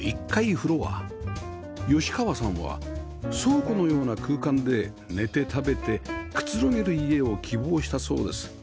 吉川さんは倉庫のような空間で寝て食べてくつろげる家を希望したそうです